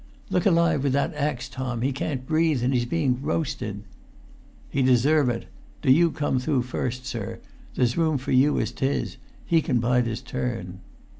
"Look alive with that axe, Tom; he can't breathe, and he's being roasted!" "He deserve ut! Do you come through first, sir. There's room for you as 'tis. He can bide his turn."